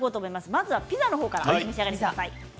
まずはピザの方からお召し上がりください。